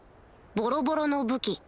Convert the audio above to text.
ボロボロの武器